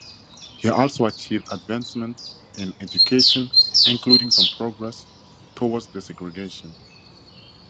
He also achieved advancements in education, including some progress toward desegregation.